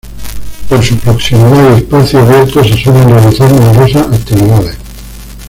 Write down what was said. Por su proximidad y espacio abierto se suelen realizar numerosas actividades.